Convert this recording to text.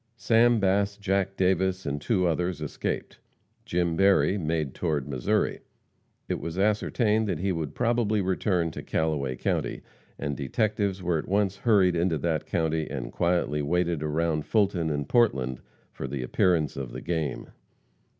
Sam Bass, Jack Davis and two others escaped. Jim Berry made toward Missouri. It was ascertained that he would probably return to Callaway county, and detectives were at once hurried into that county and quietly waited around Fulton and Portland for the appearance of "the game."